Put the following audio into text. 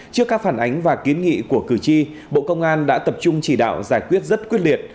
trước các phản ánh và kiến nghị của cử tri bộ công an đã tập trung chỉ đạo giải quyết rất quyết liệt